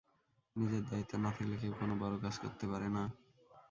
নিজের দায়িত্ব না থাকলে কেউ কোন বড় কাজ করতে পারে না।